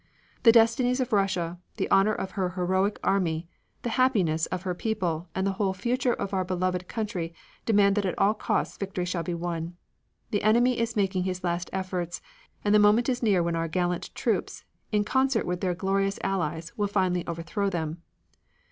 The destinies of Russia, the honor of her heroic army, the happiness of her people, and the whole future of our beloved country demand that at all costs victory shall be won. The enemy is making his last efforts, and the moment is near when our gallant troops, in concert with their glorious Allies, will finally overthrow him.